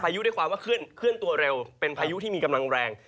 พายุได้ความว่าขึ้นขึ้นตัวเร็วเป็นพายุที่มีกำลังแรง